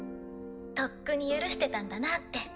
とっくに許してたんだなって。